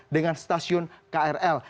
dengan stasiun krl